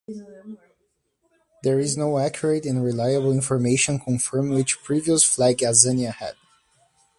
There is no accurate and reliable information confirming which previous flag Azania had.